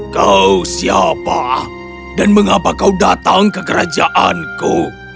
kau siapa dan mengapa kau datang ke kerajaanku